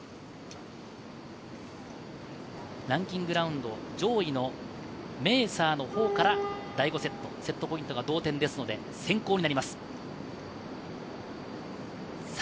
ランキングラウンド、上位のメーサーのほうから第５セット、セットポイントが同点ですので、先攻となります。